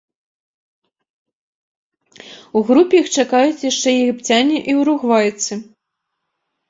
У групе іх чакаюць яшчэ егіпцяне і уругвайцы.